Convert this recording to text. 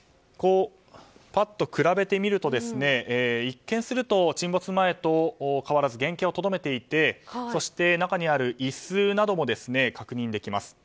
ぱっと比べてみると一見すると沈没前と変わらず原形をとどめていて中にある椅子なども確認できます。